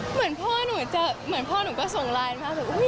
เหมือนพ่อหนูจะเหมือนพ่อหนูก็ส่งไลน์มา